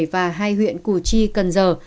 và hai huyện củ chi cần giờ